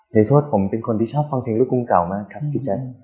ขอโทษผมเป็นคนที่ชอบฟังเพลงลูกกรุงเก่ามากครับพี่แจ๊ค